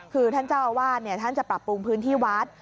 คือท่านเจ้าอาวาสท่านจะปรับปรุงพื้นที่วัด